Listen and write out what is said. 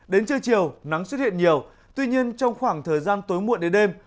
đến trưa chiều nắng xuất hiện nhiều tuy nhiên trong khoảng thời gian tối muộn đến đêm